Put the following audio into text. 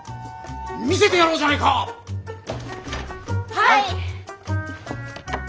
はい！